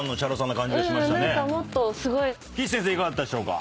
岸先生いかがだったでしょうか？